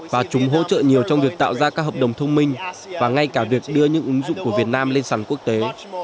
và chúng hỗ trợ nhiều trong việc tạo ra các hợp đồng thông minh và ngay cả việc đưa những ứng dụng của việt nam lên sàn quốc tế